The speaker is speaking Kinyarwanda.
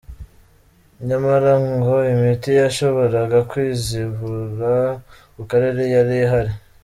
Nyamara, ngo imiti yashoboraga kuzivura ku karere yari ihari.